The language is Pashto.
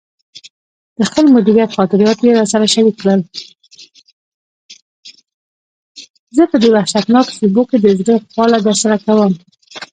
زه په دې وحشتناکو شېبو کې د زړه خواله درسره کوم.